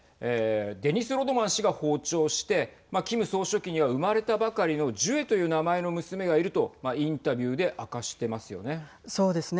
デニス・ロドマン氏が訪朝してキム総書記には生まれたばかりのジュエという名前の娘がいるとインタビューで明かしてますよね。